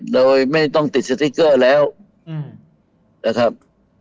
โดยไม่ต้องติดสติ๊กเกอร์แล้วนะครับ